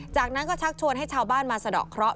จากนั้นก็ชักชวนให้ชาวบ้านมาสะดอกเคราะห